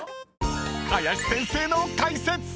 ［林先生の解説！］